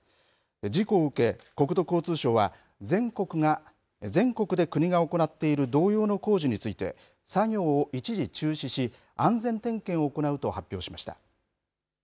事故を受け、国土交通省は全国で国が行っている同様の工事について作業を一時中止し安全点検を行うと発表しました。